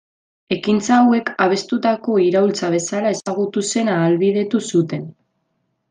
Ekintza hauek abestutako iraultza bezala ezagutu zena ahalbidetu zuten.